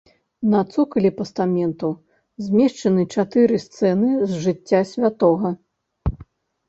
На цокалі пастаменту змешчаныя чатыры сцэны з жыцця святога.